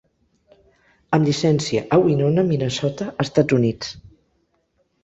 Amb llicència a Winona, Minnesota, Estats Units.